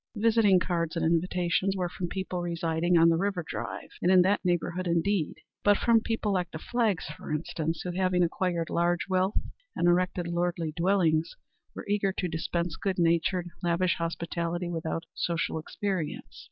The visiting cards and invitations were from people residing on the River Drive and in that neighborhood, indeed but from people like the Flaggs, for instance, who, having acquired large wealth and erected lordly dwellings, were eager to dispense good natured, lavish hospitality without social experience.